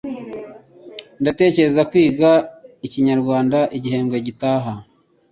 Ndatekereza kwiga ikinyakoreya igihembwe gitaha.